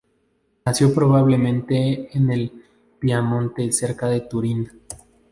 Nació probablemente en el Piamonte cerca de Turín.